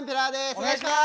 お願いします。